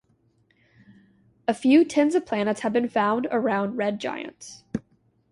A few tens of planets have been found around red giants.